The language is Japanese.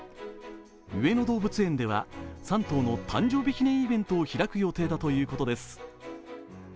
上野動物園では３頭の誕生日記念イベントを開く予定だということです。